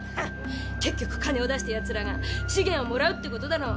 結局金を出したやつらが資源をもらうってことだろ！